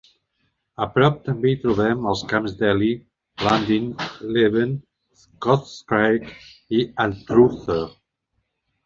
A prop també hi trobem els camps d'Elie, Lundin, Leven, Scotscraig i Anstruther.